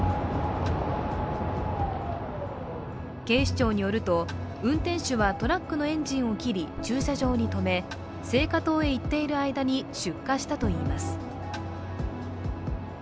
警視庁によると、運転手はトラックのエンジンを切り駐車場に止め青果棟へ行っている間に出火したといいます。